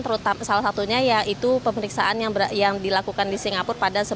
terutama salah satunya yaitu pemeriksaan yang dilakukan di singapura pada empat belas agustus dua ribu tujuh belas lalu